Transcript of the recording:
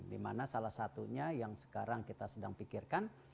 dimana salah satunya yang sekarang kita sedang pikirkan